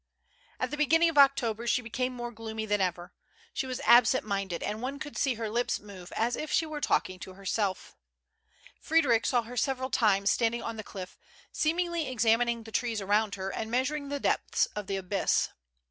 '^ At the beginning of October she became more gloomy than ever. Slie was absent minded, and one could see her lips move, as if she were talking to herself. Fred eric saw her several times standing on the cliff, seem ingly examining the trees around her and measuring the THE LANDSI.IP. 147 depth of the abyss.